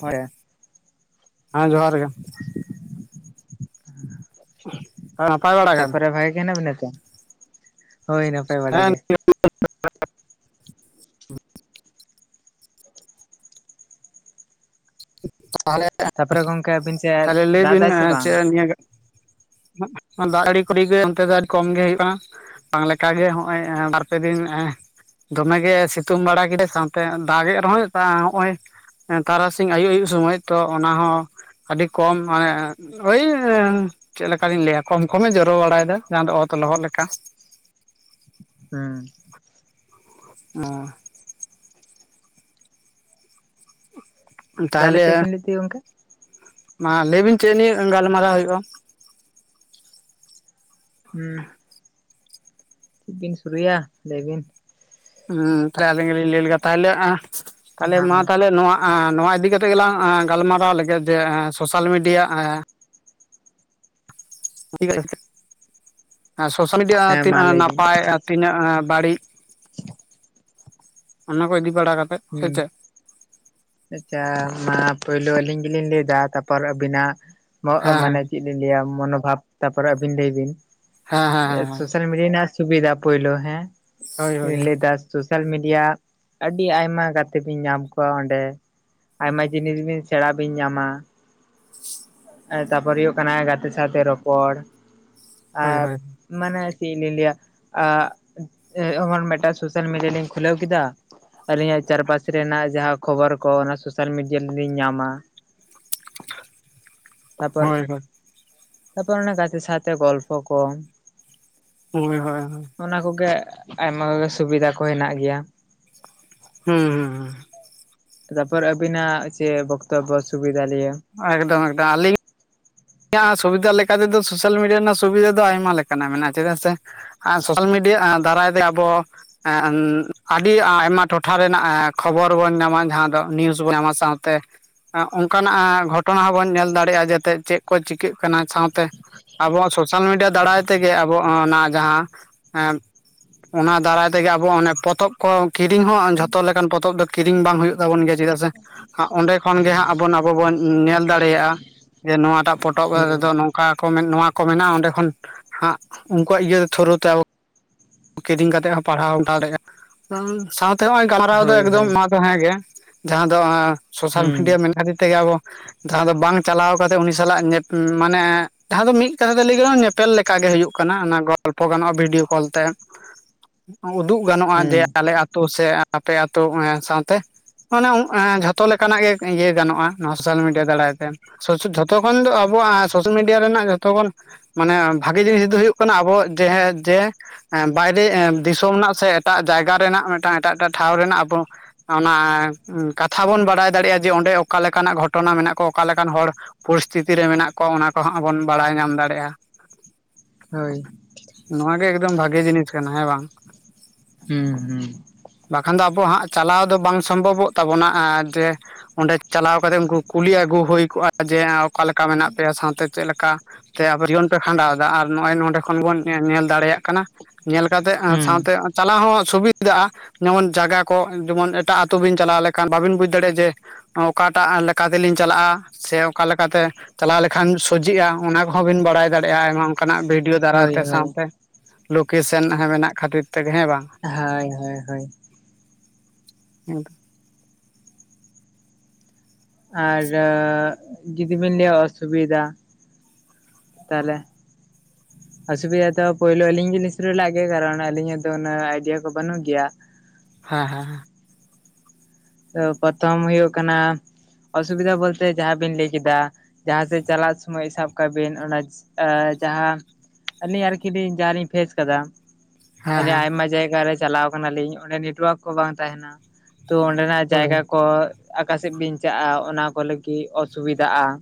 ᱦᱳᱭ ᱦᱮᱸ ᱡᱚᱦᱟᱨ ᱜᱮ ᱾ ᱱᱟᱯᱟᱭ ᱵᱟᱲᱟ [unintelligible] ᱜᱮ ᱛᱟᱯᱚᱨᱮ ᱵᱷᱟᱜᱤ ᱜᱮ ᱦᱮᱱᱟᱜ ᱵᱤᱱᱟ ᱛᱚ? ᱦᱳᱭ ᱱᱟᱯᱟᱭ ᱵᱟᱲᱟ ᱜᱮ ᱾ [unintelligible] [inaudible] ᱛᱟᱦᱞᱮ ᱛᱟᱯᱚᱨᱮ ᱜᱚᱝᱠᱮ ᱟᱹᱵᱤᱱ ᱥᱮᱫ ᱛᱟᱦᱞᱮ ᱞᱟᱹᱭ ᱫᱟᱜ ᱵᱤᱱ ᱫᱟᱭ ᱥᱮ ᱵᱟᱝ? ᱪᱮᱫ [inaudible] ᱱᱤᱭᱟᱹ ᱫᱟᱜ ᱡᱟᱲᱤ [unintelligible] ᱠᱚᱨᱮ ᱜᱮ ᱚᱱᱛᱮ ᱫᱚ ᱟᱹᱰᱤ ᱠᱚᱢ ᱜᱮ ᱦᱩᱭᱩᱜᱼᱟ ᱾ ᱵᱟᱝ ᱞᱮᱠᱟᱜᱮ ᱱᱚᱜᱼᱚᱭ ᱵᱟᱨ ᱯᱮ ᱫᱤᱱ ᱫᱚᱢᱮ ᱜᱮ ᱥᱤᱛᱩᱝ ᱵᱟᱲᱟ ᱠᱮᱫᱟᱭ ᱥᱟᱶᱛᱮ ᱫᱟᱜᱮᱜ ᱨᱮᱦᱚᱸᱭ ᱦᱚᱸᱜ-ᱚᱭ ᱛᱨᱟᱥ ᱤᱝ ᱟᱭᱩᱵ ᱟᱭᱩᱵ ᱥᱚᱢᱚᱭ ᱛᱚ ᱚᱱᱟ ᱦᱚᱸ ᱟᱹᱰᱤ ᱠᱚᱢ ᱢᱟᱱᱮ [unintelligible] ᱳᱭ ᱪᱮᱫ ᱞᱮᱠᱟᱞᱤᱧ ᱞᱟᱹᱭᱟ ᱠᱚᱢ ᱠᱚᱢᱮ ᱡᱚᱨᱚ ᱵᱟᱲᱟ ᱭᱮᱫᱟ ᱡᱟᱦᱟᱸ ᱫᱚ ᱚᱛ ᱞᱚᱦᱚᱫ ᱞᱮᱠᱟ ᱾ ᱦᱩᱸ᱾ ᱚᱻ ᱫᱟᱞᱮ ᱛᱟᱦᱚᱞᱮ ᱪᱮᱫ ᱵᱤᱱ ᱞᱟᱹᱭᱮᱫ ᱛᱟᱸᱦᱮ-ᱟ ᱜᱚᱢᱠᱮ? ᱢᱟ ᱞᱟᱹᱭ ᱵᱤᱱ ᱪᱮᱫ ᱱᱤᱭᱟᱹ ᱜᱟᱞᱢᱟᱨᱟᱣ ᱦᱩᱭᱩᱜᱼᱟ? ᱦᱩᱸ᱾ ᱪᱮᱫ ᱵᱤᱱ ᱥᱩᱨᱩᱭᱟ ᱞᱟᱹᱭ ᱵᱤᱱ? ᱦᱮᱸ ᱛᱟᱦᱞᱮ ᱟᱞᱤᱧ ᱜᱮᱞᱤᱧ ᱞᱟᱹᱭ ᱞᱮᱜᱮ ᱛᱟᱦᱞᱮ [inaudible] ᱛᱟᱦᱞᱮ ᱢᱟ ᱛᱟᱦᱞᱮ ᱱᱚᱣᱟ ᱟᱸ ᱱᱚᱣᱟ ᱤᱫᱤ ᱠᱟᱛᱮ ᱜᱮᱞᱟᱝ ᱜᱟᱞ ᱢᱟᱨᱟᱣ ᱞᱮᱜᱮ ᱡᱮ ᱥᱳᱥᱟᱞ ᱢᱤᱰᱤᱭᱟ ᱟᱸ [unintelligible] ᱥᱳᱥᱟᱞ ᱢᱤᱰᱤᱭᱟ ᱦᱮᱸ ᱢᱟ ᱛᱤᱱᱟᱹᱜ ᱞᱟᱹᱭ ᱵᱤᱱ ᱱᱟᱯᱟᱭ ᱛᱤᱱᱟᱹᱜ ᱵᱟᱹᱲᱤᱡ ᱚᱱᱟ ᱠᱚ ᱤᱫᱤ ᱵᱟᱲᱟ ᱠᱟᱛᱮᱫ ᱦᱩᱸ᱾ ᱟᱪᱪᱷᱟ ᱢᱟ ᱯᱳᱭᱞᱳ ᱟᱹᱞᱤᱧ ᱜᱮᱞᱤᱧ ᱞᱟᱹᱭᱫᱟ ᱛᱟᱯᱚᱨ ᱟᱹᱵᱤᱱᱟᱜ ᱢᱚᱜ ᱢᱟᱱᱮ ᱦᱮᱸ ᱪᱮᱫ ᱞᱤᱧ ᱞᱟᱹᱭᱟ ᱢᱚᱱᱵᱷᱟᱵ ᱛᱟᱯᱚᱨᱮ ᱟᱹᱵᱤᱱ ᱞᱟᱹᱭ ᱵᱤᱱ᱾ᱮ ᱦᱮᱸ ᱦᱮᱸ ᱥᱳᱥ ᱦᱮᱸ ᱥᱳᱥᱟᱞ ᱢᱤᱰᱤᱭᱟ ᱨᱮᱱᱟᱜ ᱥᱩᱵᱤᱫᱟ ᱯᱳᱭᱞᱳ ᱦᱮᱸ ᱦᱳᱭ ᱦᱳᱭ ᱞᱟᱹᱭ ᱫᱟ ᱥᱳᱥᱟᱞ ᱢᱤᱰᱤᱭᱟ ᱟᱹᱰᱤ ᱟᱭᱢ ᱢᱟ ᱜᱟᱛᱮ ᱵᱤᱱ ᱧᱟᱢ ᱠᱚᱣᱟ ᱚᱸᱰᱮ ᱟᱭᱢᱟ ᱡᱤᱱᱤᱥ ᱵᱤᱱ ᱥᱮᱬᱟ ᱵᱤᱱ ᱧᱟᱢᱟ᱾ ᱛᱟᱨᱯᱚᱨᱮ ᱦᱩᱭᱩᱜ ᱠᱟᱱᱟ ᱜᱟᱛᱮ ᱥᱟᱶᱛᱮ ᱨᱚᱯᱚᱲ, ᱦᱳᱭ ᱟᱨ ᱦᱳᱭ ᱢᱟᱱᱮ ᱪᱮᱫ ᱞᱤᱧ ᱞᱟᱹᱭᱟ ᱢᱤᱫᱴᱟᱝ ᱥᱳᱥᱟᱞ ᱢᱤᱰᱤᱭᱟ ᱞᱤᱧ ᱠᱷᱩᱞᱟᱹᱣ ᱠᱮᱫᱟ ᱟᱹᱞᱤᱧᱟᱜ ᱪᱟᱨᱯᱟᱥ ᱨᱮᱱᱟᱜ ᱡᱟᱦᱟᱸ ᱠᱷᱚᱵᱚᱨ ᱠᱚ ᱚᱱᱟ ᱥᱳᱥᱟᱞ ᱢᱤᱰᱤᱭᱟ ᱨᱮᱞᱤᱧ ᱧᱟᱢᱟ᱾ ᱛᱟᱨᱯᱚᱨ ᱦᱳᱭ ᱦᱳᱭ ᱦᱳᱭ ᱛᱟᱨᱯᱚᱨ ᱚᱱᱟ ᱜᱟᱛᱮ ᱥᱟᱶᱛᱮ ᱜᱚᱞᱯᱷᱚ ᱠᱚ ᱦᱳᱭ ᱦᱳᱭ ᱦᱳᱭ ᱚᱱᱟ ᱠᱚᱜᱮ ᱟᱭᱢᱟ ᱠᱚᱜᱮ ᱥᱩᱵᱤᱫᱟ ᱠᱚ ᱦᱮᱱᱟᱜ ᱜᱮᱭᱟ᱾ ᱦᱩᱸ ᱦ [inaudible] ᱛᱟᱯᱚᱨ ᱟᱹᱵᱤᱱᱟᱜ ᱪᱮᱫ ᱵᱚᱠᱛᱚᱵᱵᱚ ᱥᱩᱵᱤᱫᱷᱟ ᱞᱤᱭᱟᱹ ᱮᱠᱫᱚᱢ ᱮᱠᱫᱚᱢ ᱟᱞᱤᱧ ᱤᱧᱟᱹᱜ ᱥᱩᱵᱤᱫᱷᱟ ᱞᱮᱠᱟ ᱛᱮᱫᱚ ᱥᱳᱥᱟᱞ ᱢᱤᱰᱤᱭᱟ ᱨᱮᱱᱟᱜ ᱥᱩᱵᱤᱫᱷᱟ ᱫᱚ ᱟᱭᱢᱟ ᱞᱮᱠᱟᱱᱟᱜ ᱢᱮᱱᱟᱜᱼᱟ ᱪᱮᱫᱟᱜ ᱥᱮ ᱟᱨ ᱥᱳᱥᱟᱞ ᱢᱤᱰᱤᱭᱟ ᱫᱟᱨᱟᱭ ᱛᱮ ᱟᱵᱚ ᱮ ᱟᱹᱰᱤ ᱟᱭᱢᱟ ᱴᱚᱴᱷᱟ ᱨᱮᱱᱟᱜ ᱠᱷᱚᱵᱚᱨ ᱵᱚᱱ ᱧᱟᱢᱟ ᱡᱟᱦᱟᱸ ᱫᱚ ᱱᱤᱭᱩᱡᱽ ᱵᱚᱱ ᱧᱟᱢᱟ ᱥᱟᱶᱛᱮ ᱚᱱᱠᱟᱱᱟᱜ ᱜᱷᱚᱴᱚᱱᱟ ᱦᱚᱸᱵᱚᱱ ᱧᱮᱞ ᱫᱟᱲᱮᱭᱟᱜᱼᱟ ᱡᱟᱛᱮ ᱪᱮᱫ ᱠᱚ ᱪᱤᱠᱟᱹᱜ ᱠᱟᱱᱟ ᱥᱟᱶᱛᱮ ᱟᱵᱚᱣᱟᱜ ᱥᱳᱥᱟᱞ ᱢᱤᱰᱤᱭᱟ ᱫᱟᱨᱟᱭ ᱛᱮᱜᱮ ᱟᱵᱚ ᱚᱱᱟ ᱡᱟᱦᱟᱸ ᱮ ᱚᱱᱟ ᱫᱟᱨᱟᱭ ᱛᱮᱜᱮ ᱟᱵᱚ ᱚᱱᱮ ᱯᱚᱛᱚᱵ ᱠᱚ ᱠᱤᱨᱤᱧ ᱦᱚᱸ ᱡᱷᱚᱛᱚ ᱞᱮᱠᱟᱱ ᱯᱚᱛᱚᱵ ᱫᱚ ᱠᱤᱨᱤᱧ ᱵᱟᱝ ᱦᱩᱭᱩᱜ ᱜᱮ ᱪᱮᱫᱟᱜ ᱥᱮ ᱚᱸᱰᱮ ᱠᱷᱚᱱ ᱜᱮ ᱦᱟᱸᱜ ᱟᱵᱚ ᱵᱚᱱ ᱧᱮᱞ ᱫᱟᱲᱮᱭᱟᱜᱼᱟ ᱡᱮ ᱱᱚᱣᱟᱴᱟᱜ ᱯᱚᱴᱚᱵ ᱨᱮᱫᱚ ᱦᱩᱸ ᱱᱚᱝᱠᱟ ᱱᱚᱣᱟ ᱠᱚ ᱢᱮᱱᱟᱜᱼᱟ ᱚᱸᱰᱮ ᱠᱷᱚᱱ ᱦᱟᱸᱜ ᱩᱱᱠᱩᱣᱟᱜ ᱤᱭᱟᱹ ᱛᱷᱳᱨᱳ ᱛᱮ᱾ ᱠᱤᱨᱤᱧ ᱠᱟᱛᱮᱜ ᱦᱚᱸ ᱯᱟᱲᱦᱟᱣ ᱫᱟᱲᱮᱭᱟᱜᱼᱟ ᱥᱟᱶᱛᱮ ᱱᱚᱜ ᱚᱭ ᱜᱟᱞᱟᱨᱟᱣ ᱫᱚ ᱦᱳᱭ ᱮᱠᱫᱚᱢ᱾ ᱦᱳᱭ ᱦᱮᱸ ᱜᱮ ᱡᱟᱦᱟᱸ ᱫᱚ ᱥᱳᱥᱟᱞ ᱢᱤᱰᱤᱭᱟ ᱦᱩᱸ ᱢᱮᱱ ᱠᱷᱟᱹᱛᱤᱨ ᱛᱮᱜᱮ ᱟᱵᱚ ᱡᱟᱦᱟᱸ ᱫᱚ ᱵᱟᱝ ᱪᱟᱞᱟᱣ ᱠᱟᱛᱮᱜ ᱩᱱᱤ ᱥᱟᱞᱟᱜ ᱢᱟᱱᱮ ᱡᱟᱦᱟᱸ ᱫᱚ ᱢᱤᱫ ᱠᱟᱛᱷᱟ ᱛᱮ ᱞᱟᱹᱭ ᱜᱟᱱᱚ ᱟ ᱯᱮᱞ ᱞᱮᱠᱟ ᱜᱮ ᱦᱩᱭᱩᱜ ᱠᱟᱱᱟ ᱚᱱᱟ ᱜᱚᱞᱯᱚ ᱜᱟᱱᱚᱜᱼᱟ ᱵᱷᱤᱰᱤᱭᱳ ᱠᱚᱞ ᱛᱮ᱾ ᱩᱫᱩᱜ ᱜᱟᱱᱚᱜᱼᱟ ᱦᱩᱸ ᱫᱮ ᱟᱞᱮ ᱟᱹᱛᱩ ᱥᱮ ᱟᱯᱮ ᱟᱹᱛᱩ ᱥᱟᱶᱛᱮ᱾ ᱢᱟᱱᱮ ᱡᱷᱚᱛᱚ ᱞᱮᱠᱟᱱᱟᱜ ᱜᱮ ᱤᱭᱟᱹ ᱜᱟᱱᱚᱜᱼᱟ ᱱᱚᱣᱟ ᱥᱳᱥᱟᱞ ᱢᱤᱰᱤᱭᱟ ᱫᱟᱨᱟᱭ ᱛᱮ᱾ ᱡᱷᱚᱛᱚ ᱠᱷᱚᱱ ᱫᱚ ᱟᱵᱚᱣᱟᱜ ᱥᱳᱥᱟᱞ ᱢᱤᱰᱤᱭᱟ ᱨᱮᱱᱟᱜ ᱡᱷᱚᱛᱚ ᱠᱷᱚᱱ ᱢᱟᱱᱮ ᱵᱷᱟᱜᱤ ᱡᱤᱱᱤᱥ ᱫᱚ ᱦᱩᱭᱩᱜ ᱠᱟᱱᱟ ᱟᱵᱚ ᱡᱮ ᱡᱮ ᱵᱟᱭᱨᱮ ᱫᱤᱥᱚᱢ ᱨᱮᱱᱟᱜ ᱥᱮ ᱮᱴᱟᱜ ᱡᱟᱭᱜᱟ ᱨᱮᱱᱟᱜ ᱢᱤᱫᱴᱟᱝ ᱮᱴᱟᱜ ᱮᱴᱟᱜ ᱴᱷᱟᱶ ᱨᱮᱱᱟᱜ ᱟᱵᱚ ᱚᱱᱟ ᱠᱟᱛᱷᱟ ᱵᱚᱱ ᱵᱟᱰᱟᱭ ᱫᱟᱲᱮᱭᱟᱜᱼᱟ ᱡᱮ ᱚᱸᱰᱮ ᱚᱠᱟ ᱞᱮᱠᱟᱱᱟᱜ ᱜᱷᱚᱴᱚᱱᱟ ᱢᱮᱱᱟᱜ ᱠᱚᱣᱟ ᱚᱠᱟ ᱞᱮᱠᱟᱱ ᱦᱚᱲ ᱯᱚᱨᱤᱥᱛᱷᱤᱛᱤ ᱨᱮ ᱢᱮᱱᱟᱜ ᱠᱚᱣᱟ ᱚᱱᱟ ᱠᱚᱦᱚᱸ ᱵᱚᱱ ᱵᱟᱲᱟᱭ ᱧᱟᱢ ᱫᱟᱲᱮᱭᱟᱜᱼᱟ᱾ ᱦᱳᱭ ᱱᱚᱣᱟ ᱜᱮ ᱮᱠᱫᱚᱢ ᱵᱷᱟᱜᱮ ᱡᱤᱱᱤᱥ ᱠᱟᱱᱟ ᱦᱮᱸ ᱵᱟᱝ᱾ ᱦᱩᱸ ᱦᱩᱸ ᱵᱟᱠᱷᱟᱱ ᱫᱚ ᱟᱵᱚ ᱦᱟᱸᱜ ᱪᱟᱞᱟᱣ ᱫᱚ ᱵᱟᱝ ᱥᱚᱢᱵᱷᱚᱵᱚᱜ ᱛᱟᱵᱚᱱᱟ ᱡᱮ ᱚᱸᱰᱮ ᱪᱟᱞᱟᱣ ᱠᱟᱛᱮᱜ ᱩᱱᱠᱩ ᱠᱩᱞᱤ ᱟᱹᱜᱩ ᱦᱩᱭ ᱠᱚᱜᱼᱟ ᱡᱮ ᱚᱠᱟ ᱞᱮᱠᱟ ᱢᱮᱱᱟᱜ ᱯᱮᱭᱟ ᱥᱟᱶᱛᱮ ᱪᱮᱫ ᱞᱮᱠᱟ ᱛᱮ ᱡᱤᱭᱚᱱ ᱯᱮ ᱠᱷᱟᱸᱰᱟᱣ ᱮᱫᱟ ᱟᱨ ᱱᱚᱜᱼᱚᱭ ᱱᱚᱸᱰᱮ ᱠᱷᱚᱱ ᱵᱚᱱ ᱧᱮᱞ ᱫᱟᱲᱮᱭᱟᱜ ᱠᱟᱱᱟ᱾ ᱧᱮᱞ ᱠᱟᱛᱮᱜ ᱦᱩᱸ ᱥᱟᱶᱛᱮ ᱪᱟᱞᱟᱣ ᱦᱚᱸ ᱥᱩᱵᱤᱫᱟᱜᱼᱟ᱾ ᱡᱮᱢᱚᱱ ᱡᱟᱭᱜᱟ ᱠᱚ ᱡᱮᱢᱚᱱ ᱮᱴᱟᱜ ᱟᱹᱛᱩ ᱵᱤᱱ ᱪᱟᱞᱟᱣ ᱞᱮᱱᱠᱷᱟᱱ ᱵᱟᱵᱤᱱ ᱵᱩᱡᱽ ᱫᱟᱲᱮᱭᱟᱜᱼᱟ ᱡᱮ ᱚᱠᱟᱴᱟᱜ ᱛᱮᱞᱤᱧ ᱪᱟᱞᱟᱜᱼᱟ ᱥᱮ ᱚᱠᱟ ᱞᱮᱠᱟᱛᱮ ᱪᱟᱞᱟᱣ ᱞᱮᱠᱷᱟᱱ ᱥᱚᱡᱷᱮᱜᱼᱟ ᱚᱱᱟ ᱠᱚᱦᱚᱸ ᱵᱤᱱ ᱵᱟᱲᱟᱭ ᱫᱟᱲᱮᱭᱟᱜᱼᱟ ᱟᱭᱢᱟ ᱚᱱᱠᱟᱱᱟᱜ ᱵᱷᱤᱰᱭᱳ ᱦᱳᱭ ᱫᱟᱨᱟᱭᱛᱮ ᱦᱳᱭ ᱥᱟᱶᱛᱮ ᱞᱳᱠᱮᱥᱚᱱ ᱢᱮᱱᱟᱜ ᱠᱷᱟᱹᱛᱤᱨ ᱛᱮᱜᱮ ᱦᱮᱸ ᱵᱟᱝ᱾ ᱦᱳᱭ ᱦᱳᱭ ᱦᱳᱭ ᱦᱮᱸᱛᱚ [inaudible] ᱟᱨ ᱡᱩᱫᱤᱵᱤᱱ ᱞᱟᱹᱭᱟ ᱚᱥᱩᱵᱤᱫᱷᱟ ᱛᱟᱦᱚᱞᱮ ᱚᱥᱩᱵᱤᱫᱷᱟ ᱫᱚ ᱯᱳᱭᱞᱳ ᱟᱞᱤᱧ ᱜᱮᱞᱤᱧ ᱥᱩᱨᱩ ᱞᱮᱫ ᱜᱮ ᱠᱟᱨᱚᱱ ᱟᱞᱤᱧᱟᱜ ᱫᱚ ᱩᱱᱟᱹᱜ ᱟᱭᱰᱤᱭᱟ ᱠᱚ ᱵᱟᱹᱱᱩᱜ ᱜᱮᱭᱟ᱾ ᱦᱮᱸ ᱦᱮᱸ ᱛᱚ ᱯᱨᱚᱛᱷᱚᱢ ᱦᱩᱭᱩᱜ ᱠᱟᱱᱟ ᱚᱥᱩᱵᱤᱫᱷᱟ ᱵᱚᱞᱛᱮ ᱡᱟᱦᱟᱸ ᱵᱤᱱ ᱞᱟᱹᱭ ᱠᱮᱫᱟ ᱡᱟᱦᱟᱸ ᱥᱮᱫ ᱪᱟᱞᱟᱜ ᱥᱚᱢᱚᱭ ᱥᱟᱵ ᱠᱟᱜ ᱵᱤᱱ ᱚᱱᱟ ᱡᱟᱦᱟᱸ ᱟᱹᱞᱤᱧ ᱟᱨᱠᱤ ᱡᱟᱦᱟᱸᱞᱤᱧ ᱯᱷᱮᱥ ᱟᱠᱟᱫᱟ ᱟᱹᱰᱤ ᱦᱮᱸ ᱟᱭᱢᱟ ᱡᱟᱭᱜᱟ ᱨᱮ ᱪᱟᱞᱟᱣ ᱠᱟᱱᱟ ᱞᱤᱧ ᱚᱸᱰᱮ ᱱᱮᱴᱣᱟᱨᱠ ᱠᱚ ᱵᱟᱝ ᱛᱟᱦᱮᱱᱟ ᱛᱚ ᱚᱸᱰᱮ ᱦᱳᱭ ᱡᱟᱭᱜᱟ ᱠᱚ ᱚᱠᱟ ᱥᱮᱫ ᱵᱮᱱ ᱪᱟᱞᱟᱜᱼᱟ ᱚᱱᱟ ᱠᱚ ᱞᱟᱹᱜᱤᱫ ᱚᱥᱩᱵᱤᱫᱟᱜᱼᱟ ᱾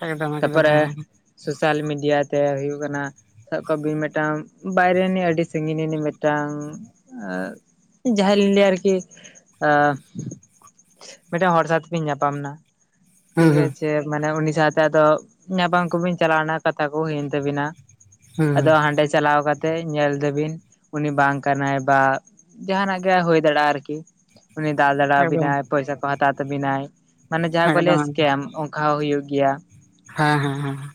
ᱦᱮᱸ ᱮᱠᱫᱚᱢ ᱮᱠᱫᱚᱢ ᱛᱟᱯᱚᱨᱮ ᱥᱳᱥᱟᱞ ᱢᱤᱰᱤᱭᱟ ᱛᱮ ᱦᱩᱭᱩᱜ ᱠᱟᱱᱟ᱾ ᱥᱟᱵ ᱠᱟᱜ ᱵᱤᱱ ᱢᱤᱜᱴᱟᱝ ᱵᱟᱭᱨᱮ ᱨᱮᱱᱤᱡ ᱟᱹᱰᱤ ᱥᱟᱺᱜᱤᱧ ᱱᱤᱱᱤᱡ ᱢᱤᱜᱴᱟᱝ ᱮ ᱡᱟᱦᱟᱸᱭ ᱞᱤᱧ ᱞᱟᱹᱭᱟ ᱟᱨᱠᱤ ᱟ ᱢᱤᱫᱴᱮᱱ ᱦᱚᱲ ᱥᱟᱶᱛᱮ ᱤᱧ ᱧᱟᱯᱟᱢᱱᱟ ᱦᱩᱸ ᱴᱷᱤᱠ ᱦᱩᱸ ᱟᱪᱪᱷᱮ ᱢᱟᱱᱮ ᱩᱱᱤ ᱥᱟᱶ ᱛᱮ ᱟᱫᱚ ᱧᱟᱯᱟᱢ ᱠᱚᱵᱤᱱ ᱪᱟᱞᱟᱣᱱᱟ ᱠᱟᱛᱷᱟ ᱠᱚ ᱦᱩᱭᱮᱱ ᱛᱟᱵᱤᱱᱟ ᱟᱫᱚ ᱦᱩᱸ ᱦᱟᱸᱰᱮ ᱪᱟᱞᱟᱣ ᱠᱟ ᱛᱮᱜ ᱧᱮᱞ ᱫᱟᱹᱵᱤᱱ ᱩᱱᱤ ᱵᱟᱝ ᱠᱟᱱᱟᱭ ᱵᱟ ᱡᱟᱦᱟᱱᱟᱜ ᱜᱮ ᱦᱩᱭ ᱫᱟᱲᱮᱜᱼᱟ ᱟᱨᱠᱤ᱾ ᱩᱱᱤ ᱫᱟᱞ ᱫᱟᱲᱮ ᱮᱠᱫᱚᱢ ᱟᱵᱤᱱᱟᱭ ᱯᱚᱭᱥᱟ ᱠᱚ ᱦᱟᱛᱟᱣ ᱛᱟᱵᱤᱱᱟᱭ ᱢᱟᱱᱮ ᱡᱟᱦᱟᱸ ᱠᱚ ᱮᱠᱫᱚᱢ ᱞᱟᱹᱭᱟ ᱥᱠᱮᱢ ᱚᱝ ᱠᱟᱣ ᱦᱚᱸ ᱦᱩᱭᱩᱜ ᱜᱮᱭᱟ᱾ ᱦᱟᱸ ᱦᱮᱸ ᱦᱮᱸ ᱦᱮᱸ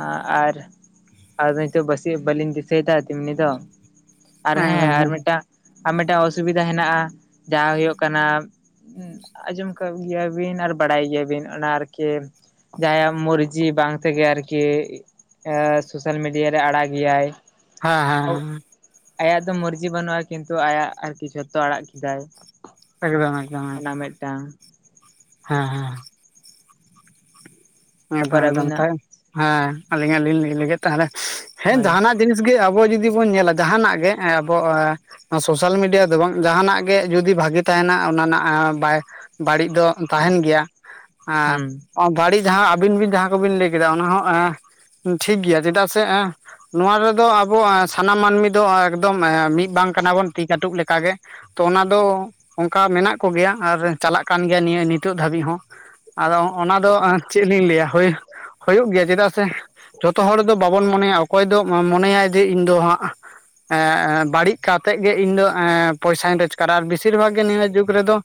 ᱟᱸ ᱟᱨ ᱟᱫᱚ ᱱᱤᱛᱚᱜ ᱵᱟᱹᱥᱤᱭᱟᱹ ᱵᱟᱹᱞᱤᱧ ᱫᱤᱥᱟᱹᱭᱮᱫᱟ ᱛᱮᱢᱱᱤ ᱫᱚ᱾ ᱟᱨ ᱦᱮᱸ ᱟᱨ ᱮᱠᱫᱚᱢ ᱢᱤᱫᱴᱟᱝ ᱟᱨ ᱢᱤᱫᱴᱟᱜ ᱚᱥᱩᱵᱤᱫᱷᱟ ᱦᱮᱱᱟᱜᱼᱟ᱾ ᱡᱟᱦᱟᱸ ᱦᱩᱭᱩᱜ ᱠᱟᱱᱟ ᱦᱩᱸ ᱟᱸᱡᱚᱢ ᱠᱟᱜ ᱜᱮᱭᱟ ᱵᱤᱱ ᱟᱨ ᱵᱟᱲᱟᱭ ᱜᱮᱭᱟ ᱵᱤᱱ ᱚᱱᱟ ᱟᱨᱠᱤ ᱡᱟᱦᱟᱸᱭᱟᱜ ᱢᱩᱨᱡᱤ ᱵᱟᱝ ᱛᱮᱜᱮ ᱟᱨᱠᱤ ᱮᱸ ᱥᱳᱥᱟᱞ ᱢᱤᱰᱤᱭᱟ ᱨᱮ ᱟᱲᱟᱜ ᱜᱮᱭᱟᱭ᱾ ᱦᱮᱸ ᱦᱮᱸ ᱦᱮᱸ ᱟᱭᱟᱜ ᱫᱚ ᱢᱚᱨᱡᱤ ᱵᱟᱹᱱᱩᱜᱼᱟ ᱠᱤᱱᱛᱩ ᱟᱭᱟᱜ ᱟᱨᱠᱤ ᱡᱷᱚᱛᱚ ᱟᱲᱟᱜ ᱠᱮᱫᱟᱭ᱾ ᱮᱠᱫᱚᱢ ᱮᱠᱫᱚᱢ ᱢᱮᱜᱴᱟᱝ ᱦᱮᱸ ᱦᱮᱸ ᱮᱠᱫᱚᱢ ᱛᱟᱨᱯᱚᱨ ᱮᱠᱫᱚᱢ ᱟᱹᱵᱤᱱᱟᱜ ᱛᱟᱶ ᱦᱮᱸ ᱟᱹᱞᱤᱧᱟᱜ ᱞᱤᱧ ᱞᱟᱹᱭ ᱞᱟᱹᱜᱤ ᱛᱟᱦᱞᱮ ᱦᱮᱸ ᱦᱳᱭ ᱡᱟᱦᱟᱱᱟᱜ ᱡᱤᱱᱤᱥ ᱜᱮ ᱟᱵᱚ ᱡᱩᱫᱤ ᱵᱚᱱ ᱧᱮᱞᱟ ᱡᱟᱦᱟᱱᱟᱜ ᱜᱮ ᱮᱸ ᱟᱵᱚ ᱮᱸ ᱥᱳᱥᱟᱞ ᱢᱤᱰᱤᱭᱟ ᱫᱚ ᱵᱟᱝ ᱡᱟᱦᱱᱟᱜ ᱜᱮ ᱡᱩᱫᱤ ᱵᱷᱟᱜᱤ ᱛᱟᱦᱮᱱᱟ ᱚᱱᱟ ᱱᱟᱜ ᱮ ᱵᱟᱭ ᱵᱟᱹᱲᱤᱡ ᱫᱚ ᱛᱟᱦᱮᱱ ᱜᱮᱭᱟ ᱦᱩᱸ ᱟᱸ ᱵᱟᱹᱲᱤᱡ ᱡᱟᱦᱟᱸ ᱟᱵᱤᱱ ᱵᱤᱱ ᱡᱟᱦᱟᱸ ᱠᱚᱵᱤᱱ ᱞᱟᱹᱭ ᱠᱮᱫᱟ ᱚᱱᱟ ᱦᱚᱸ ᱮᱸ ᱴᱷᱤᱠ ᱜᱮᱭᱟ ᱪᱮᱫᱟᱜ ᱥᱮ ᱮᱸ ᱱᱚᱣᱟ ᱨᱮᱫᱚ ᱟᱵᱚ ᱮᱸ ᱥᱟᱱᱟᱢ ᱢᱟᱹᱱᱢᱤ ᱫᱚ ᱮᱠᱫᱚᱢ ᱮᱸ ᱢᱤᱫ ᱵᱟᱝ ᱠᱟᱱᱟ ᱵᱚᱱ ᱛᱤ ᱠᱟᱹᱴᱩᱵ ᱞᱮᱠᱟ ᱜᱮ᱾ ᱛᱚ ᱚᱱᱟ ᱫᱚ ᱚᱝᱠᱟ ᱢᱮᱱᱟᱜ ᱠᱚ ᱜᱮᱭᱟ ᱟᱨ ᱪᱟᱞᱟᱜ ᱠᱟᱱ ᱜᱮᱭᱟ ᱱᱤᱭᱟᱹ ᱱᱤᱛᱚ ᱫᱷᱟᱹᱵᱤᱜ ᱦᱚᱸ᱾ ᱟᱫᱚ ᱚᱱᱟ ᱫᱚ ᱮᱸ ᱪᱮᱜ ᱞᱤᱧ ᱞᱟᱹᱭᱟ ᱦᱳᱭ ᱦᱩᱭᱩᱜ ᱜᱮᱭᱟ ᱪᱮᱫᱟᱜ ᱥᱮ ᱡᱚᱛᱚ ᱦᱚᱲ ᱫᱚ ᱵᱟᱵᱚᱱ ᱢᱚᱱᱮᱭᱟ ᱚᱠᱚᱭ ᱫᱚ ᱢᱚᱱᱮᱭᱟᱭ ᱡᱮ ᱤᱧ ᱫᱚ ᱦᱟᱸᱜ ᱮᱸ ᱵᱟᱹᱲᱤᱜ ᱠᱟᱛᱮᱜ ᱜᱮ ᱤᱧ ᱫᱚ ᱮᱸ ᱯᱚᱭᱥᱟᱧ ᱨᱳᱡᱽᱜᱟᱨᱟ ᱟᱨ ᱵᱮᱥᱤᱨ ᱵᱷᱟᱜᱽ ᱜᱮ ᱱᱤᱭᱟᱹ ᱡᱩᱜᱽ ᱨᱮᱫᱚ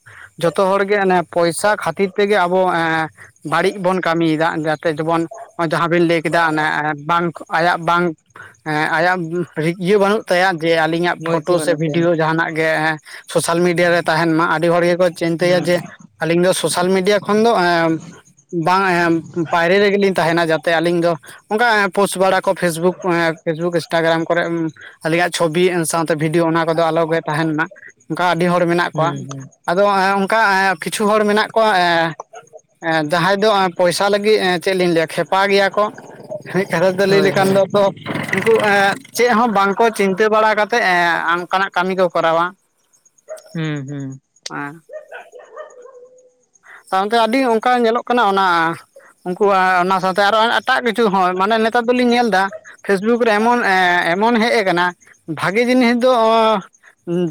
ᱡᱷᱚᱛᱚ ᱦᱚᱲᱜᱮ ᱚᱱᱮ ᱯᱚᱭᱥᱟ ᱠᱷᱟᱹᱛᱤᱨ ᱛᱮᱜᱮ ᱟᱵᱚ ᱮᱸ ᱵᱟᱹᱲᱤᱡ ᱵᱚᱱ ᱠᱟᱹᱢᱤᱭᱫᱟ ᱡᱟᱛᱮ ᱡᱮᱢᱚᱱ ᱡᱟᱦᱟᱸ ᱵᱤᱱ ᱞᱟᱹᱭ ᱠᱮᱫᱟ ᱚᱱᱮ ᱵᱟᱝ ᱟᱭᱟᱜ ᱵᱟᱝ ᱮᱸ ᱟᱭᱟᱜ ᱨᱤ ᱤᱭᱟᱹ ᱵᱟᱹᱱᱩᱜ ᱛᱟᱭᱟ ᱡᱮ ᱟᱞᱤᱧᱟᱜ ᱢᱚᱨᱡᱤ ᱯᱷᱳᱴᱳ ᱥᱮ ᱵᱟᱹᱱᱩᱜ ᱛᱟᱭᱟ ᱵᱷᱤᱰᱤᱭᱳ ᱡᱟᱦᱟᱱᱟᱜ ᱜᱮ ᱥᱳᱥᱟᱞ ᱢᱤᱰᱤᱭᱟ ᱨᱮ ᱛᱟᱦᱮᱱ ᱢᱟ᱾ ᱟᱹᱰᱤ ᱦᱚᱲ ᱜᱮᱠᱚ ᱪᱤᱱᱛᱟᱹᱭᱟ ᱦᱩᱸ ᱡᱮ ᱟᱞᱤᱧ ᱫᱚ ᱥᱳᱥᱟᱞ ᱢᱤᱰᱤᱭᱟ ᱠᱷᱚᱱ ᱫᱚ ᱮᱸ ᱵᱟᱝ ᱮᱸ ᱯᱟᱭᱨᱮ ᱨᱮᱜᱮ ᱞᱤᱧ ᱛᱟᱦᱮᱱᱟ ᱡᱟᱛᱮ ᱟᱹᱞᱤᱧ ᱫᱚ ᱚᱝᱠᱟ ᱯᱳᱥ ᱵᱟᱲᱟ ᱠᱚ ᱯᱷᱮᱥᱵᱩᱠ ᱮᱸ ᱯᱷᱮᱥᱵᱩᱠ ᱤᱱᱥᱴᱟᱜᱨᱟᱢ ᱠᱚᱨᱮ ᱟᱞᱧᱭᱟᱜ ᱪᱷᱚᱵᱤ ᱥᱟᱶᱛᱮ ᱵᱷᱤᱰᱭᱳ ᱚᱱᱟ ᱠᱚᱫᱚ ᱟᱞᱚ ᱜᱮ ᱛᱟᱦᱮᱱ ᱢᱟ ᱚᱝᱠᱟ ᱟᱹᱰᱤ ᱦᱚᱲ ᱢᱮᱱᱟᱜ ᱠᱚᱣᱟ ᱦᱩᱸ ᱦᱩᱸ ᱾ ᱟᱫᱚ ᱮᱸ ᱚᱱᱠᱟ ᱮᱸ ᱠᱤᱪᱷᱩ ᱦᱚᱲ ᱢᱮᱱᱟᱜ ᱠᱚᱣᱟ ᱮᱸ ᱮᱸ ᱡᱟᱦᱟᱸᱭ ᱫᱚ ᱮᱸ ᱯᱚᱭᱥᱟ ᱞᱟᱹᱜᱤᱫ ᱮᱸ ᱪᱮᱜ ᱞᱤᱧ ᱞᱟᱹᱭᱟ ᱠᱷᱮᱯᱟ ᱜᱮᱭᱟ ᱠᱚ ᱢᱤᱫ ᱠᱟᱛᱷᱟ ᱫᱚ ᱞᱟᱹᱭ ᱦᱳᱭ ᱦᱳᱭ ᱞᱮᱠᱷᱟᱱ ᱫᱚᱠᱚ ᱩᱱᱠᱩ ᱮᱸ ᱪᱮᱜ ᱦᱚᱸ ᱵᱟᱝᱠᱚ ᱪᱤᱱᱛᱟᱹ ᱵᱟᱲᱟ ᱠᱟᱛᱮᱫ ᱮᱸ ᱟᱝᱠᱟᱱᱟᱜ ᱠᱟᱹᱢᱤ ᱠᱚ ᱠᱚᱨᱟᱣᱟ᱾ ᱦᱩᱸ ᱦᱩᱸ ᱟᱸ ᱛᱟᱭᱚᱢ ᱛᱮ ᱟᱹᱰᱤ ᱚᱝᱠᱟ ᱧᱮᱞᱚᱜ ᱠᱟᱱᱟ ᱚᱱᱟ ᱩᱝᱠᱩᱣᱟᱜ ᱚᱱᱟ ᱥᱟᱶᱛᱮ ᱟᱨ ᱮᱴᱟᱜ ᱠᱤᱪᱷᱩ ᱦᱚᱸ ᱢᱟᱱᱮ ᱱᱮᱛᱟᱨ ᱫᱚᱞᱤᱧ ᱧᱮᱞᱫᱟ ᱯᱷᱮᱥᱵᱩᱠ ᱨᱮ ᱮᱢᱚᱱ ᱮᱸ ᱮᱢᱚᱱ ᱦᱮᱜ ᱟᱠᱟᱱᱟ ᱵᱷᱟᱜᱤ ᱡᱤᱱᱤᱥ ᱫᱚ ᱚᱸ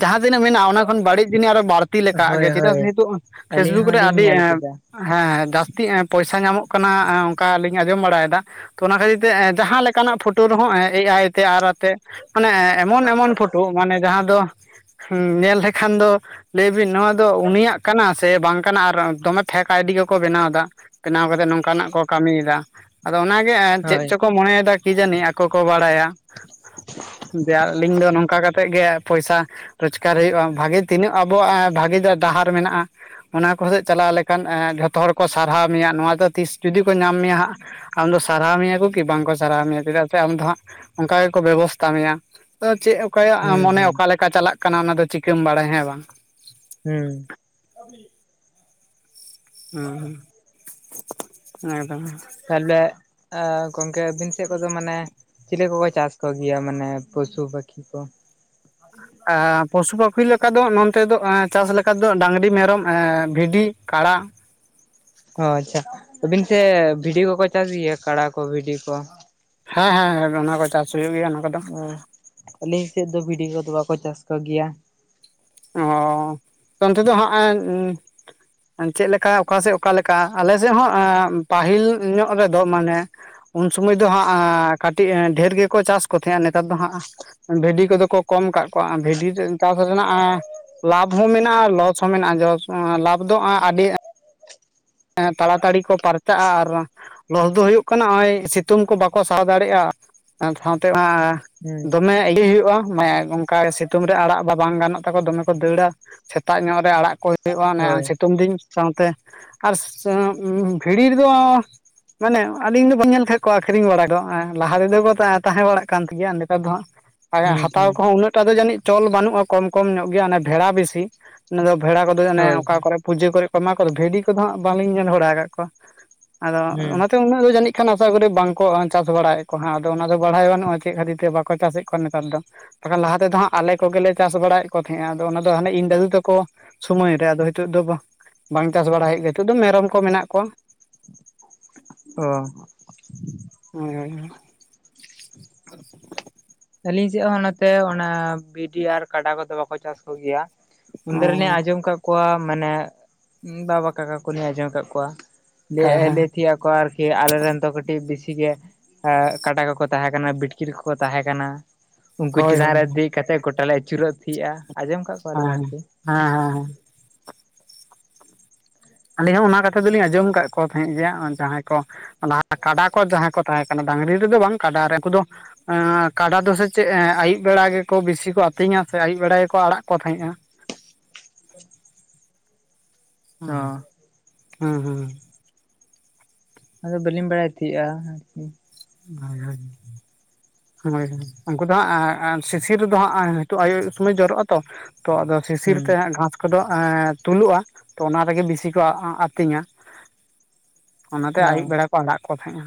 ᱡᱟᱦᱟᱸ ᱛᱤᱱᱟᱹᱜ ᱢᱮᱱᱟᱜᱼᱟ ᱚᱱᱟ ᱠᱷᱚᱱ ᱵᱟᱹᱲᱤᱡ ᱡᱤᱱᱤ ᱟᱨᱚ ᱵᱟᱹᱲᱛᱤ ᱞᱮᱠᱟᱜ ᱦᱳᱭ ᱜᱮ ᱪᱮᱫᱟᱜ ᱦᱳᱭ ᱥᱮ ᱱᱤᱛᱚᱜ ᱟᱹᱞᱤᱧ ᱯᱷᱮᱥᱵᱩᱠ ᱨᱮ ᱦᱚᱞᱤᱧ ᱧᱮᱞ ᱠᱮᱫᱟ ᱦᱮᱸ ᱦᱮᱸ ᱡᱟᱹᱥᱛᱤ ᱮᱸ ᱯᱚᱭᱥᱟ ᱧᱟᱢᱚᱜ ᱠᱟᱱᱟ ᱚᱝᱠᱟ ᱞᱤᱧ ᱟᱸᱡᱚᱢ ᱵᱟᱲᱟᱭᱫᱟ᱾ ᱛᱚ ᱚᱱᱟ ᱠᱷᱟᱹᱛᱤᱨ ᱛᱮ ᱮᱸ ᱡᱟᱦᱟᱸ ᱞᱮᱠᱟᱱᱟᱜ ᱯᱷᱳᱴᱳ ᱨᱮᱦᱚᱸ ᱮ ᱟᱭ ᱛᱮ ᱟᱨ ᱟᱛᱮᱜ ᱢᱟᱱᱮ ᱮᱢᱚᱱ ᱮᱢᱚᱱ ᱯᱷᱚᱴᱳ ᱢᱟᱱᱮ ᱡᱟᱦᱟᱸ ᱫᱚ ᱦᱮᱸᱻ ᱧᱮᱞ ᱞᱮᱠᱷᱟᱱ ᱫᱚ ᱞᱟᱹᱭ ᱵᱤᱱ ᱱᱚᱣᱟ ᱫᱚ ᱩᱱᱤᱭᱟᱜ ᱠᱟᱱᱟ ᱥᱮ ᱵᱟᱝ ᱠᱟᱱᱟ? ᱫᱚᱢᱮ ᱯᱷᱮᱸᱠ ᱟᱭᱰᱤ ᱜᱮᱠᱚ ᱵᱮᱱᱟᱣ ᱫᱟ, ᱵᱮᱱᱟᱣ ᱠᱟᱛᱮ ᱱᱚᱝᱠᱟᱱᱟᱜ ᱠᱚ ᱠᱟᱹᱢᱤᱭᱮᱫᱟ᱾ ᱟᱫᱚ ᱚᱱᱟ ᱜᱮ ᱪᱮᱫ ᱦᱳᱭ ᱪᱚᱠᱚ ᱢᱚᱱᱮᱭᱮᱫᱟ ᱠᱤ ᱡᱟᱹᱱᱤ ᱟᱠᱚ ᱠᱚ ᱵᱟᱲᱟᱭᱟ᱾ ᱡᱮᱭᱟ ᱟᱹᱞᱤᱧ ᱫᱚ ᱱᱚᱝᱠᱟ ᱠᱟᱛᱮᱜ ᱜᱮ ᱯᱚᱭᱥᱟ ᱨᱳᱡᱽᱜᱟᱨ ᱦᱩᱭᱩᱜᱼᱟ, ᱵᱷᱟᱜᱤ ᱛᱤᱱᱟᱹᱜ ᱟᱵᱚᱣᱟᱜ ᱵᱷᱟᱹᱜᱤ ᱰᱟᱦᱟᱨ ᱢᱮᱱᱟᱜᱼᱟ᱾ ᱟᱠ ᱥᱮᱫ ᱪᱟᱞᱟᱣ ᱞᱮᱠᱷᱟᱱ ᱡᱷᱚᱛᱚ ᱦᱚᱲ ᱠᱚ ᱥᱟᱨᱦᱟᱣ ᱢᱮᱭᱟ, ᱱᱚᱣᱟ ᱫᱚ ᱛᱤᱥ ᱡᱩᱫᱤ ᱠᱚ ᱧᱟᱢ ᱢᱮᱭᱟ ᱦᱟᱸᱜ ᱟᱢᱫᱚ ᱥᱟᱨᱦᱟᱣ ᱢᱮᱭᱟ ᱠᱚ ᱠᱤ ᱵᱟᱝ ᱠᱚ ᱥᱟᱨᱦᱟᱣ ᱢᱮᱭᱟ ᱪᱮᱫᱟᱜ ᱥᱮ ᱟᱢ ᱫᱚ ᱦᱟᱸᱜ ᱚᱱᱠᱟ ᱜᱮ ᱠᱚ ᱵᱮᱵᱚᱥᱛᱟ ᱢᱮᱭᱟ᱾ ᱪᱮᱫ ᱚᱠᱚᱭᱟᱜ ᱦᱩᱸ ᱢᱚᱱᱮ ᱦᱩᱸ ᱚᱠᱟ ᱞᱮᱠᱟ ᱪᱟᱞᱟᱜ ᱠᱟᱱᱟ, ᱚᱱᱟ ᱫᱚ ᱪᱤᱠᱟᱹᱢ ᱵᱟᱲᱟᱭᱟ ᱦᱮᱸ ᱵᱟᱝ? ᱦᱩᱸ ᱦᱩᱸ ᱦᱩᱸ [inaudible] ᱦᱮᱸ ᱫᱚ ᱵᱟᱝ, ᱛᱟᱦᱞᱮ ᱜᱚᱝᱠᱮ ᱟᱹᱵᱤᱱ ᱥᱮᱫ ᱠᱚᱫᱚ ᱢᱟᱱᱮ ᱪᱤᱞᱤ ᱠᱚᱠᱚ ᱪᱟᱥ ᱠᱚᱜᱮᱭᱟ ᱢᱟᱱᱮ ᱯᱚᱥᱩ ᱯᱟᱠᱷᱤ ᱠᱚ? ᱯᱚᱥᱩ ᱯᱟᱠᱷᱤ ᱞᱮᱠᱟ ᱫᱚ ᱱᱚᱱᱛᱮ ᱫᱚ ᱪᱟᱥ ᱞᱮᱠᱟ ᱫᱚ ᱰᱟᱺᱝᱨᱤ ᱢᱮᱨᱚᱢ ᱵᱷᱤᱰᱤ ᱠᱟᱲᱟ ᱚ ᱟᱪᱪᱷᱟ ᱟᱹᱵᱤᱱ ᱥᱮ ᱵᱷᱤᱰᱤ ᱠᱚᱠᱚ ᱪᱟᱥ ᱜᱮᱭᱟ ᱠᱟᱲᱟ ᱠᱚ ᱵᱷᱤᱰᱤ ᱠᱚ? ᱦᱮᱸ ᱦᱮᱸ ᱦᱮᱸ ᱚᱱᱟ ᱠᱚ ᱪᱟᱥ ᱦᱩᱭᱩᱜ ᱜᱮᱭᱟ ᱱᱟᱜ᱾ ᱚ ᱟᱹᱞᱤᱧ ᱥᱮᱫ ᱫᱚ ᱵᱷᱤᱰᱤ ᱠᱚᱫᱚ ᱵᱟᱠᱚ ᱪᱟᱥ ᱠᱚ ᱜᱮᱭᱟ᱾ ᱚ ᱚᱱᱛᱮ ᱫᱚ ᱦᱟᱸᱜ ᱮ ᱪᱮᱫ ᱞᱮᱠᱟ ᱚᱠᱟ ᱥᱮᱫ ᱚᱠᱟᱞᱮᱠᱟ? ᱟᱞᱮ ᱥᱮᱫ ᱦᱚᱸ ᱯᱟᱹᱦᱤᱞ ᱧᱚᱜ ᱨᱮᱫᱚ ᱢᱟᱱᱮ ᱩᱱ ᱥᱩᱢᱚᱭ ᱫᱚ ᱦᱟᱸᱜ ᱠᱟᱹᱴᱤᱡ ᱰᱷᱮᱨ ᱜᱮᱠᱚ ᱪᱟᱥ ᱠᱚ ᱛᱟᱦᱮᱸᱫ᱾ ᱱᱮᱛᱟᱨ ᱫᱚ ᱦᱟᱸᱜ ᱵᱷᱤᱰᱤ ᱠᱚᱫᱚ ᱠᱚ ᱠᱚᱢ ᱠᱟᱜ ᱠᱚᱣᱟ᱾ ᱵᱷᱤᱰᱤ ᱨᱮ ᱪᱟᱥ ᱨᱮᱱᱟᱜ ᱟᱻ ᱞᱟᱵᱷ ᱦᱚᱸ ᱢᱮᱱᱟᱜᱼᱟ, ᱞᱚᱥ ᱦᱚᱸ ᱢᱮᱱᱟᱜᱼᱟ, ᱡᱚᱥ ᱞᱟᱵᱷ ᱫᱚ ᱟᱹᱰᱤ ᱮᱸ ᱛᱟᱲᱟ ᱛᱟᱲᱤ ᱠᱚ ᱯᱟᱨᱪᱟᱜᱼᱟ ᱟᱨ ᱞᱚᱥ ᱫᱚ ᱦᱩᱭᱩᱜ ᱠᱟᱱᱟ ᱱᱚᱜᱼᱚᱭ ᱥᱤᱛᱩᱝ ᱠᱚ ᱵᱟᱠᱚ ᱥᱟᱦᱟᱣ ᱫᱟᱲᱮᱭᱟᱜᱼᱟ, ᱥᱟᱶᱛᱮ ᱦᱩᱸ ᱫᱚᱢᱮ ᱤᱭᱟᱹᱭ ᱦᱩᱭᱩᱜᱼᱟ, ᱢᱟᱱᱮ ᱚᱱᱠᱟ ᱥᱤᱛᱩᱝ ᱨᱮ ᱟᱲᱟᱜ ᱵᱟ ᱵᱟᱝ ᱜᱟᱱᱚᱜ ᱛᱟᱠᱚ ᱫᱚᱢᱮ ᱠᱚ ᱫᱟᱹᱲᱟ᱾ ᱥᱮᱛᱟᱜ ᱧᱚᱜ ᱨᱮ ᱟᱲᱟᱜ ᱠᱚ ᱦᱩᱭᱩᱜᱼᱟ᱾ ᱚᱱᱮ ᱦᱳᱭ ᱥᱤᱛᱩᱝ ᱫᱤᱱ ᱥᱟᱶᱛᱮ ᱟᱨᱥ ᱥᱮᱸ ᱵᱷᱤᱲᱤ ᱨᱮᱫᱚ ᱢᱟᱱᱮ ᱟᱹᱞᱤᱧ ᱫᱚ ᱵᱟᱹᱧ ᱧᱮᱞ ᱠᱟᱜ ᱠᱚᱣᱟ ᱟᱠᱷᱨᱤᱧ ᱵᱟᱲᱟ ᱫᱚ᱾ ᱞᱟᱦᱟ ᱨᱮᱫᱚ ᱠᱚ ᱛᱟᱦᱮᱸ ᱛᱟᱦᱮᱸ ᱵᱟᱲᱟᱜ ᱠᱟᱱ ᱛᱟᱦᱮᱸ ᱜᱮᱭᱟ᱾ ᱱᱮᱛᱟᱨ ᱫᱚ ᱦᱟᱸᱜ ᱟᱨ ᱦᱩᱸ ᱦᱟᱛᱟᱣ ᱦᱩᱸ ᱠᱚᱦᱚᱸ ᱩᱱᱟᱹᱜ ᱴᱟᱜ ᱫᱚ ᱡᱟᱹᱱᱤᱡ ᱪᱚᱞ ᱵᱟᱹᱱᱩᱜᱼᱟ᱾ ᱠᱚᱢ ᱠᱚᱢ ᱧᱚᱜ ᱜᱮᱭᱟ ᱵᱷᱮᱲᱟ ᱵᱤᱥᱤ ᱫᱚ ᱵᱷᱮᱲᱟ ᱠᱚᱫᱚ ᱚᱱᱮ ᱦᱳᱭ ᱚᱠᱟ ᱠᱚᱨᱮ ᱯᱩᱡᱟᱹ ᱠᱚᱨᱮ ᱠᱚ ᱮᱢᱟ ᱠᱚᱫᱚ, ᱵᱷᱤᱰᱤ ᱠᱚᱫᱚ ᱦᱟᱸᱜ ᱵᱟᱝᱞᱤᱧ ᱧᱮᱞ ᱵᱟᱲᱟ ᱟᱠᱟᱫ ᱠᱚᱣᱟ᱾ ᱟᱫᱚ ᱦᱩᱸ ᱚᱱᱟ ᱛᱮ ᱩᱱᱟᱹᱜ ᱫᱚ ᱡᱟᱹᱱᱤᱡ ᱮᱱᱠᱷᱟᱱ ᱟᱥᱟ ᱠᱚᱨᱤ ᱵᱟᱝ ᱠᱚ ᱪᱟᱥ ᱵᱟᱲᱟᱭᱮᱫ ᱠᱚᱣᱟ ᱦᱟᱸᱜ᱾ ᱟᱫᱚ ᱚᱱᱟ ᱫᱚ ᱵᱟᱲᱟᱭ ᱵᱟᱹᱱᱩᱜᱼᱟ ᱪᱮᱫ ᱠᱷᱟᱹᱛᱤᱨ ᱛᱮ ᱵᱟᱠᱚ ᱪᱟᱥᱮᱫ ᱠᱚᱣᱟ ᱱᱮᱛᱟᱨ ᱫᱚ? ᱵᱟᱠᱷᱟᱱ ᱞᱟᱦᱟ ᱛᱮᱫᱚ ᱦᱟᱸᱜ, ᱟᱞᱮ ᱠᱚᱜᱮᱞᱮ ᱪᱟᱥ ᱵᱟᱲᱟᱭᱮᱫ ᱠᱚ ᱛᱟᱦᱮᱸᱱᱟ᱾ ᱟᱫᱚ ᱚᱱᱟᱫᱚ ᱦᱟᱱᱮ ᱤᱧ ᱫᱟᱹᱫᱩ ᱛᱟᱠᱚ ᱥᱳᱢᱚᱭ ᱨᱮ, ᱟᱫᱚ ᱱᱤᱛᱚᱜ ᱫᱚ ᱵᱟᱝ ᱵᱟᱝ ᱪᱟᱥ ᱵᱟᱲᱟ ᱦᱩᱭᱩᱜ ᱜᱮᱭᱟ᱾ ᱱᱤᱛᱚᱜ ᱫᱚ ᱢᱮᱨᱚᱢ ᱠᱚ ᱢᱮᱱᱟᱜ ᱠᱚᱣᱟ᱾ ᱚ ᱦᱳᱭ ᱦᱳᱭ ᱟᱹᱞᱤᱧ ᱥᱮᱫ ᱦᱚᱸ ᱱᱚᱛᱮ, ᱚᱱᱟ ᱵᱷᱤᱰᱤ ᱟᱨ ᱠᱟᱰᱟ ᱠᱚᱫᱚ ᱵᱟᱠᱚ ᱪᱟᱥ ᱠᱚ ᱜᱮᱭᱟ᱾ ᱚ ᱩᱱᱛᱮᱨᱮᱞᱤᱧ ᱟᱸᱡᱚᱢ ᱠᱟᱜ ᱠᱚᱣᱟ ᱢᱟᱱᱮ ᱵᱟᱵᱟ ᱠᱟᱠᱟ ᱠᱚᱞᱤᱧ ᱟᱸᱡᱚᱢ ᱟᱠᱟᱫ ᱠᱚᱣᱟ ᱦᱮᱸ ᱦᱮᱸ [unintelligible] ᱠᱚᱣᱟ ᱟᱨᱠᱤ ᱟᱞᱮᱨᱮᱱ ᱫᱚ ᱠᱟᱹᱴᱤᱡ ᱵᱤᱥᱤ ᱜᱮ ᱠᱟᱰᱟ ᱠᱚᱠᱚ ᱛᱟᱦᱮᱸ ᱠᱟᱱᱟ, ᱵᱤᱴᱠᱤᱞ ᱠᱚᱠᱚ ᱛᱟᱦᱮᱸ ᱠᱟᱱᱟ, ᱩᱱᱠᱩ ᱦᱳᱭ ᱪᱮᱛᱟᱱ ᱦᱳᱭ ᱨᱮ ᱦᱮᱸ ᱫᱤᱡ ᱠᱟᱛᱮ ᱜᱚᱴᱟ ᱞᱮ ᱟᱹᱪᱩᱨᱚᱜ ᱛᱤᱜᱼᱟ᱾ ᱟᱸᱡᱚᱢ ᱠᱟᱜ ᱯᱮ ᱦᱮᱸ ᱦᱮᱸ ᱦᱮᱸ ᱦᱮᱸ ᱟᱹᱞᱤᱧ ᱦᱚᱸ ᱚᱱᱟ ᱠᱟᱛᱷᱟ ᱫᱚᱞᱤᱧ ᱟᱸᱡᱚᱢ ᱠᱟᱜ ᱠᱚ ᱛᱟᱦᱮᱸᱫ ᱜᱮᱭᱟ᱾ ᱡᱟᱦᱟᱸᱭ ᱠᱚ ᱚᱱᱟ ᱠᱟᱰᱟ ᱠᱚ ᱡᱟᱦᱟᱸᱭ ᱠᱚ ᱛᱟᱦᱮᱸ ᱠᱟᱱᱟ᱾ ᱰᱟᱝᱨᱤ ᱨᱮᱫᱚ ᱵᱟᱝ ᱠᱟᱰᱟ ᱨᱮ ᱩᱱᱠᱩ ᱫᱚ ᱮᱸ ᱠᱟᱰᱟ ᱫᱚ ᱥᱮ ᱪᱮᱫ ᱮᱸ ᱟᱭᱩᱵ ᱵᱮᱲᱟ ᱜᱮᱠᱚ ᱵᱤᱥᱤ ᱠᱚ ᱟᱹᱛᱤᱧᱟ ᱥᱮ ᱟᱹᱭᱩᱵ ᱵᱮᱲᱟ ᱜᱮᱠᱚ ᱟᱲᱟᱜ ᱠᱚ ᱛᱟᱦᱮᱸᱜᱼᱟ᱾ ᱦᱚᱸ ᱦᱩᱸ ᱦᱩᱸ ᱟᱫᱚ ᱵᱟᱹᱞᱤᱧ ᱵᱟᱲᱟᱭ ᱛᱟᱦᱮᱸᱜᱼᱟ ᱟᱨᱠᱤ᱾ ᱦᱳᱭ ᱦᱳᱭ ᱦᱳᱭ ᱦᱳᱭ, ᱩᱱᱠᱩ ᱫᱚ ᱦᱟᱸᱜ ᱟᱸ ᱥᱤᱥᱤᱨ ᱫᱚ ᱦᱟᱸᱜ ᱱᱤᱛᱚᱜ ᱟᱹᱭᱩ ᱟᱹᱭᱩᱵ ᱥᱚᱢᱚᱭ ᱡᱚᱨᱚᱜ ᱟᱛᱚ᱾ ᱛᱚ ᱟᱫᱚ ᱥᱤᱥᱤᱨ ᱦᱩᱸ ᱛᱮ ᱦᱟᱸᱜ ᱜᱷᱟᱸᱥ ᱠᱚᱫᱚ ᱮᱸᱻ ᱛᱩᱞᱩᱜᱼᱟ, ᱛᱚ ᱚᱱᱟ ᱨᱮᱜᱮ ᱵᱮᱥᱤ ᱠᱚ ᱟᱸᱻ ᱟᱹᱛᱤᱧᱟ᱾ ᱚᱱᱟᱛᱮ ᱚ ᱟᱹᱭᱩᱵ ᱵᱮᱲᱟ ᱠᱚ ᱟᱲᱟᱜ ᱠᱚ ᱛᱟᱦᱮᱸᱜᱼᱟ᱾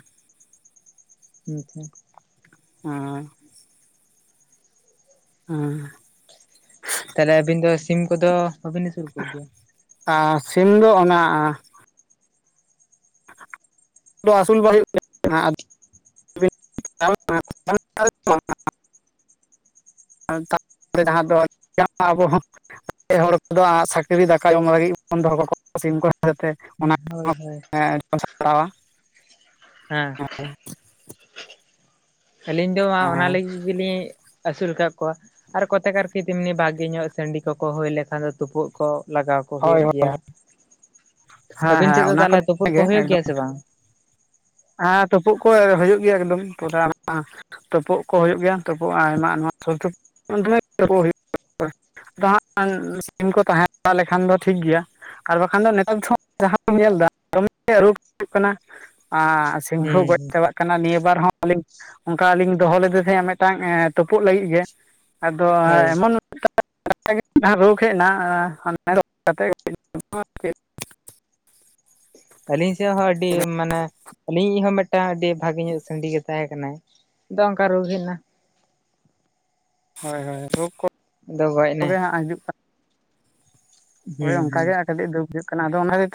[unintelligible] ᱦᱳᱸᱭ ᱦᱮᱸ ᱛᱟᱦᱞᱮ ᱟᱹᱵᱤᱱ ᱫᱚ ᱥᱤᱢ ᱠᱚᱫᱚ ᱵᱟᱹᱵᱤᱱ ᱟᱹᱥᱩᱞ ᱠᱚᱜᱮᱭᱟ᱾ ᱟᱨ ᱥᱤᱢ ᱫᱚ ᱚᱱᱟ [unintelligible] ᱟᱹᱥᱩᱞ ᱵᱟᱝ ᱦᱩᱭᱩᱜ [unintelligible] [unintelligible] [unintelligible] [unintelligible] [unintelligible] ᱥᱟᱹᱠᱨᱤ ᱫᱟᱠᱟ ᱡᱚᱢ ᱞᱟᱹᱜᱤᱫ ᱵᱚᱱ ᱫᱚᱦᱚ ᱠᱟᱠᱚ ᱥᱤᱢ ᱠᱚ [unintelligible] ᱦᱳᱭ ᱦᱳᱭ [unintelligible] ᱥᱟᱯᱲᱟᱣ ᱟ᱾ ᱦᱮᱸ [unintelligible] ᱟᱹᱞᱤᱧ ᱫᱚ ᱚᱱᱟ ᱦᱮᱸ ᱞᱟᱹᱜᱤᱫ ᱜᱮᱞᱤᱧ ᱟᱹᱥᱩᱞ ᱠᱟᱫ ᱠᱚᱣᱟ᱾ [inaudible] ᱵᱷᱟᱜᱤ ᱧᱚᱜ ᱥᱟᱺᱰᱤ ᱠᱚᱠᱚ ᱦᱩᱭ ᱞᱮᱠᱷᱟᱱ ᱫᱚ ᱛᱩᱯᱩᱜ ᱠᱚ ᱞᱟᱜᱟᱣ ᱠᱚ ᱦᱳᱭ ᱦᱩᱭᱩᱜ ᱦᱳᱭ ᱜᱮᱭᱟ, ᱦᱮᱸ ᱟᱹᱵᱤᱱ ᱦᱮᱸ ᱪᱮᱫ ᱫᱚ ᱚᱱᱟ ᱛᱟᱦᱚᱞᱮ ᱠᱚᱫᱚ ᱛᱩᱯᱩᱫ ᱠᱚ ᱜᱮ ᱦᱩᱭᱩᱜ ᱜᱮᱭᱟ ᱮᱠᱫᱚᱢ ᱥᱮ ᱵᱟᱝ? ᱦᱮᱸ ᱛᱩᱯᱩᱜ ᱠᱚ ᱦᱩᱭᱩᱜ ᱜᱮᱭᱟ ᱮᱠᱫᱚᱢ [unintelligible] ᱛᱩᱯᱩᱩᱜ ᱠᱚ ᱦᱩᱭᱩᱜ ᱜᱮᱭᱟ ᱛᱩᱯᱩᱜ ᱟᱭᱢᱟ [unintelligible] [unintelligible] ᱥᱤᱢ ᱠᱚ ᱛᱟᱸᱦᱮ ᱵᱟᱲᱟ ᱞᱮᱠᱷᱟᱱ ᱫᱚ ᱴᱷᱤᱠᱜᱮᱭᱟ᱾ ᱟᱨ ᱵᱟᱠᱷᱟᱱ ᱫᱚ ᱱᱮᱛᱟᱨ [inaudible] ᱧᱮᱞᱫᱟ ᱫᱚᱢᱮ [inaudible] ᱨᱳᱜᱽ ᱦᱩᱭᱩᱜ ᱠᱟᱱᱟ᱾ ᱟᱻᱟᱻ ᱥᱤᱢ ᱦᱩᱸ ᱠᱟ ᱜᱚᱡ ᱦᱩᱸ ᱪᱟᱵᱟᱜ ᱠᱟᱱᱟ᱾ ᱠᱟᱱᱟ ᱱᱤᱭᱟᱹ ᱵᱟᱨ ᱦᱚᱸ ᱟᱹᱞᱤᱧ ᱚᱱᱠᱟ ᱞᱤᱧ ᱫᱚᱦᱚ ᱞᱮᱫᱮ ᱛᱟᱦᱮᱸᱼᱟ ᱢᱤᱫᱴᱟᱝ ᱛᱩᱯᱩᱜ ᱞᱟᱹᱜᱤᱫ ᱜᱮ᱾ ᱟᱫᱚ ᱦᱳᱭ ᱮᱢᱚᱱ [unintelligible] ᱨᱳᱜᱽ ᱦᱮᱡ ᱮᱱᱟ [inaudible] ᱨᱳᱜ ᱠᱟᱛᱮ ᱟᱹᱞᱤᱧ ᱥᱮᱫ ᱦᱚᱸ ᱟᱹᱰᱤ ᱢᱟᱱᱮ ᱟᱹᱞᱤᱧᱤᱡ ᱦᱚᱸ ᱢᱤᱫᱴᱟᱝ ᱟᱹᱰᱤ ᱵᱷᱟᱜᱮ ᱧᱚᱜ ᱥᱟᱺᱰᱤ ᱜᱮ ᱛᱟᱦᱮᱸ ᱠᱟᱱᱟᱭ ᱟᱫᱚ ᱚᱱᱠᱟ ᱨᱳᱜᱽ ᱦᱮᱡ ᱮᱱᱟ᱾ ᱦᱳᱭ ᱦᱳᱭ ᱨᱳᱜᱽ ᱠᱚ ᱫᱚ ᱜᱚᱡ ᱱᱟᱭ᱾ [unintelligible] ᱦᱳᱭ ᱦᱩᱸ ᱚᱱᱠᱟ ᱦᱩᱸ ᱜᱮ ᱟᱨ ᱠᱟᱹᱴᱤᱡ ᱫᱩᱠ ᱦᱩᱭᱩᱜ ᱠᱟᱱᱟ ᱟᱫᱚ ᱚᱱᱟ ᱜᱮ ᱪᱮᱫ᱾